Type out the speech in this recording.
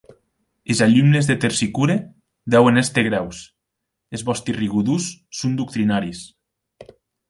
Es alumnes de Tersicore deuen èster grèus, es vòsti rigodons son doctrinaris.